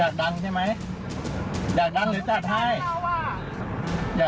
ใครหรือเปล่า